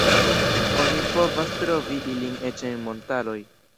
Oni povas trovi ilin eĉ en montaroj.